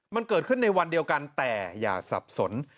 มันเกิดขึ้นในวันเดียวกันแต่อย่าสับสน